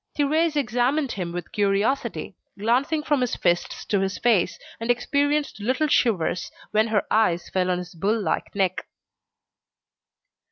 Thérèse examined him with curiosity, glancing from his fists to his face, and experienced little shivers when her eyes fell on his bull like neck.